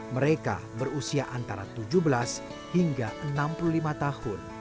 mereka berusia antara tujuh belas hingga enam puluh lima tahun